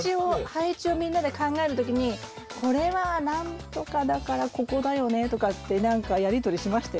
配置をみんなで考える時にこれは何とかだからここだよねとかって何かやり取りしましたよね。